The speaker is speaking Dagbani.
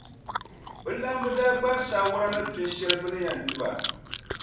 Bɛ laamba daa gbaai saawara ni pinʼ shɛli bɛ ni yɛn ti ba.